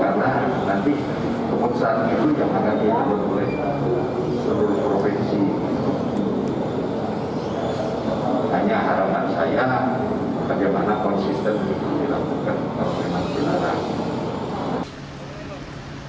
hanya harapan saya bagaimana konsisten itu dilakukan kalau memang dilarang